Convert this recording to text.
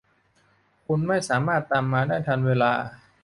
คุณไม่สามารถตามมาได้ทันเวลา